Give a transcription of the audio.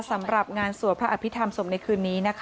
สำหรับงานสวดพระอภิษฐรรมศพในคืนนี้นะคะ